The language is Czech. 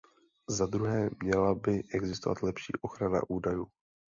Zadruhé, měla by existovat lepší ochrana údajů.